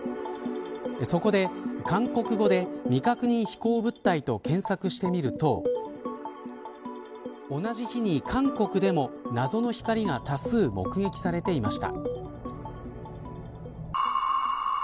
そこで韓国語で未確認飛行物体と検索してみると同じ日に韓国でも謎の光が多数目撃されていました。